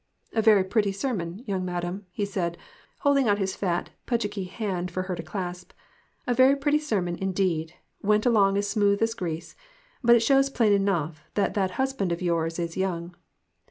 "A very pretty sermon, young madam," he said, holding out his fat, pudgiky hand for her to clasp, " a very pretty sermon, indeed ; went along as smooth as grease. But it shows plain enough that that husband of yours is young.